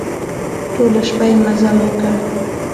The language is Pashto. ټوله شپه يې مزل وکړ.